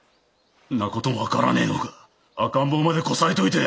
んな事も分からねえのか赤ん坊までこさえといて！